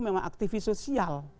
memang aktivis sosial